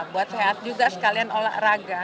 buat sehat juga sekalian olahraga